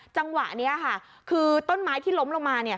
จังหวะนี้ค่ะคือต้นไม้ที่ล้มลงมาเนี่ย